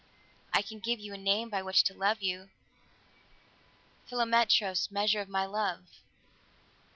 "I can give you a name by which to love you. Philometros! Measure of my love!"